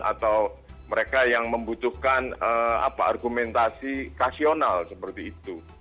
atau mereka yang membutuhkan argumentasi kasional seperti itu